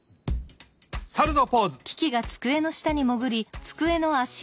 サルのポーズ！